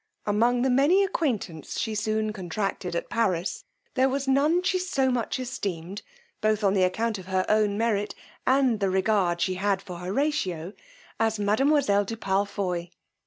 Among the many acquaintance she soon contracted at Paris, there was none she so much esteemed, both on the account of her own merit, and the regard she had for Horatio, as mademoiselle de Palfoy.